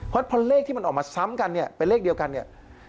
เพราะพอเลขที่มันออกมาซ้ำกันเนี่ยเป็นเลขเดียวกันเนี่ย